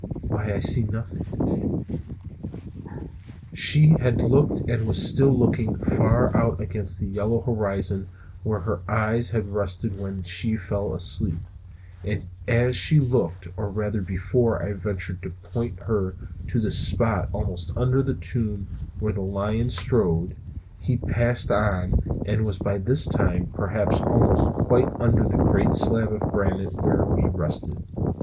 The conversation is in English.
"Why, I see nothing." She had looked and was still looking far out against the yellow horizon where her eyes had rested when she fell asleep. And as she looked, or rather before I ventured to point her to the spot almost under the tomb where the lion strode, he passed on and was by this time perhaps almost quite under the great slab of granite where we rested.